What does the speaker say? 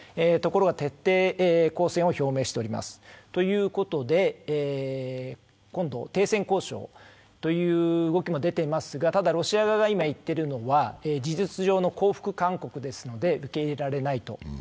ところが徹底抗戦を表明しております、ということで今度停戦交渉という話も出ていますがただロシア側が今言っているのは事実上の降伏勧告ですので受け入れられないと。